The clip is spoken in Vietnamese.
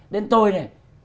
đến tôi này